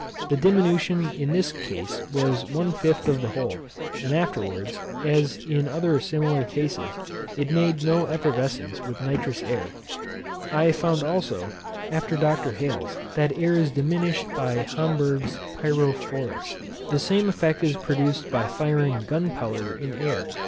The diminution in this case was one fifth of the whole, and afterwards, as in other similar cases, it made no effervescence with nitrous air. I found also, after Dr. Hales, that air is diminished by Homberg's pyrophorus. The same effect is produced by firing gunpowder in air.